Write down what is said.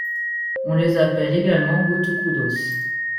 On les appelle également botocudos.